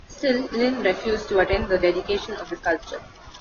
Still, Lin refused to attend the dedication of the sculpture.